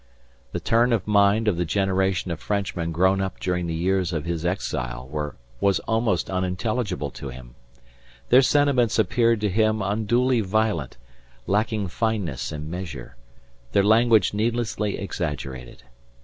The turn of mind of the generation of Frenchmen grown up during the years of his exile was almost unintelligible to him. Their sentiments appeared to him unduly violent, lacking fineness and measure, their language needlessly exaggerated.